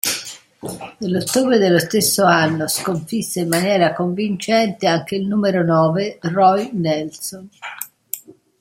Nell'ottobre dello stesso anno sconfisse in maniera convincente anche il numero nove Roy Nelson.